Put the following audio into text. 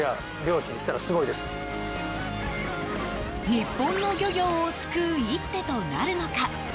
日本の漁業を救う一手となるのか。